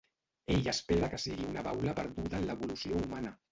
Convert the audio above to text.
Ell espera que sigui una baula perduda en l'evolució humana.